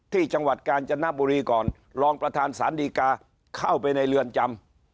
ที่จังหวัดกาญจนบุรีก่อนรองประธานสารดีกาเข้าไปในเรือนจำ